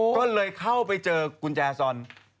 ก็เลยเข้าไปเจอกุญแจซอน